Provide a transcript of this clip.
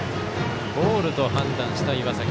ボールと判断した岩崎。